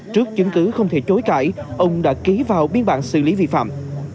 trước chứng cứ không thể chối cãi ông đã ký vào biên bản xử lý vi phạm